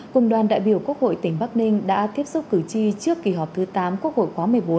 cùng đoàn đại biểu quốc hội tỉnh bắc ninh đã tiếp xúc cử tri trước kỳ họp thứ tám quốc hội khóa một mươi bốn